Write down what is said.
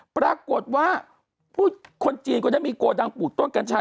ปรากฏว่าผู้คนจีนก็ได้มีโกดังปลูกต้นกัญชา